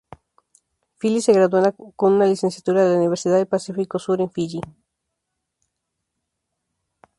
Fili se graduó con una licenciatura de la Universidad del Pacífico Sur en Fiyi.